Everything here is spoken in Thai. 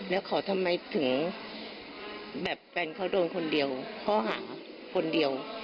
แล้วเขาทำไมถึงแบบแฟนเขาโดนคนเดียวข้อหาคนเดียว